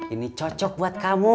ini cocok buat kamu